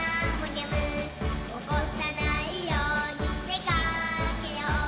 「おこさないようにでかけよう」